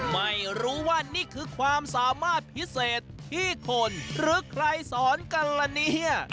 ไม่รู้ว่านี่คือความสามารถพิเศษที่คนหรือใครสอนกันละเนี่ย